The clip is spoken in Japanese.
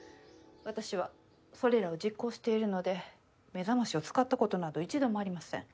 私はそれらを実行しているので目覚ましを使ったことなど一度もありません。